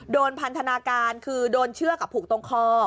พันธนาการคือโดนเชือกผูกตรงคอ